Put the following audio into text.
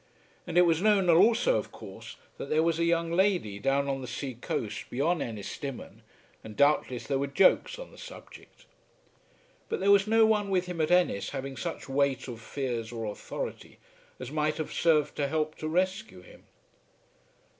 And it was known also, of course, that there was a young lady down on the sea coast beyond Ennistimon, and doubtless there were jokes on the subject. But there was no one with him at Ennis having such weight of fears or authority as might have served to help to rescue him.